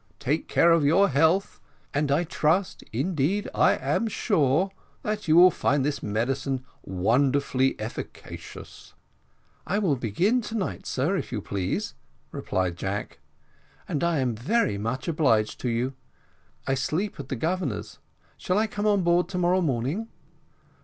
Take care of your health; and I trust, indeed I am sure, that you will find this medicine wonderfully efficacious." "I will begin to night, sir, if you please," replied Jack, "and I am very much obliged to you. I sleep at the Governor's shall I come on board to morrow morning?"